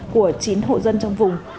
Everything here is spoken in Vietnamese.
của chín hộ dân trong vùng